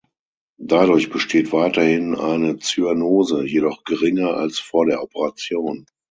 Dadurch besteht weiterhin eine Zyanose, jedoch geringer als vor der Operation.